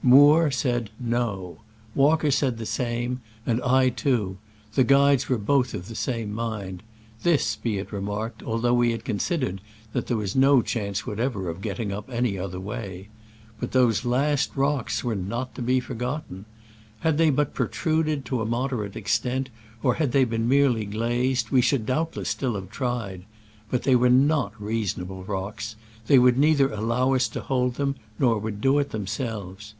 Moore said. No. Walker said the same, and I ton — ^the guides were both of the same mind: this, be it remarked, al though we had considered that there was no chance whatever of getting up any other way. But those "last rocks " were not to be forgotten. Had they but protruded to a moderate extent, or had they been merely glazed, we should doubtless still have tried ; but they were not reasonable rocks — they would neither allow us to hold nor would do it them selves.